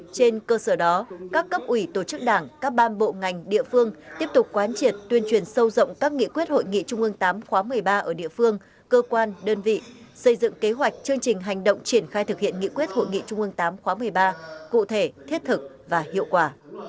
trên cơ sở đó các cấp ủy tổ chức đảng các ban bộ ngành địa phương tiếp tục quán triệt tuyên truyền sâu rộng các nghị quyết hội nghị trung ương viii khóa một mươi ba ở địa phương cơ quan đơn vị xây dựng kế hoạch chương trình hành động triển khai thực hiện nghị quyết hội nghị trung ương viii khóa một mươi ba cụ thể thiết thực và hiệu quả